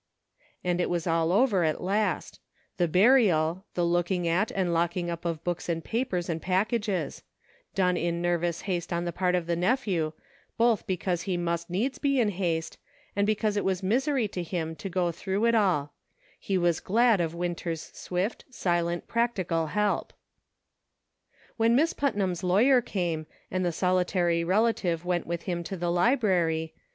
And it was all over at last ; the burial, the look ing at, and locking up of books and papers and packages ; done in nervous haste on the part of the nephew, both because he must needs be in haste, and because it was misery to him to go through it all ; he was glad of Winter's swift, silent, practical help. When Miss Putnam's lawyer came, and the solitary relative went with him to the library.